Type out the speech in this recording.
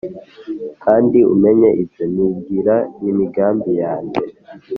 Kandi umenya ibyo Nibwira N’imigambi Yanjye